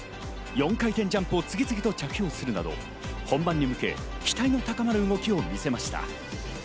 ４回転ジャンプを次々と着氷するなど、本番に向け期待の高まる動きを見せました。